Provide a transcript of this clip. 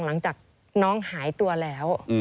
หลังจากน้องหายตัวแล้ว